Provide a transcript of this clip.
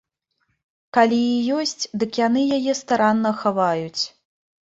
Калі і ёсць, дык яны яе старанна хаваюць.